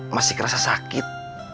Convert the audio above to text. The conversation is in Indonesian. masih kerasa sakit